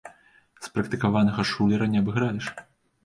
Спрактыкаванага шулера не абыграеш.